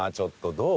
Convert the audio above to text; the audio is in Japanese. どう？